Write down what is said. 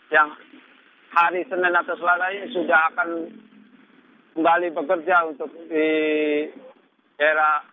yang hari senin atau selasa ini sudah akan kembali bekerja untuk di era